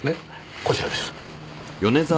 こちらです。